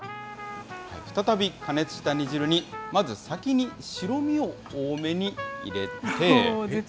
再び加熱した煮汁に、まず先に白身を多めに入れて。